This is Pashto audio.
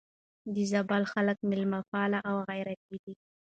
د زابل خلک مېلمه پال او غيرتي دي.